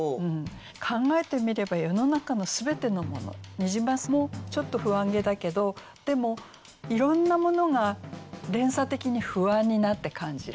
考えてみれば世の中の全てのものニジマスもちょっと不安げだけどでもいろんなものが連鎖的に不安になって感じられる。